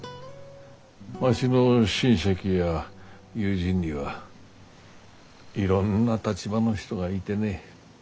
わしの親戚や友人にはいろんな立場の人がいてね。